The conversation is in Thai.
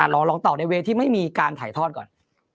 ลองตอบในเวย์ที่ไม่มีการถ่ายทอดก่อน